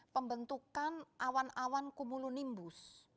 pembentukan awan awan kumulunimbus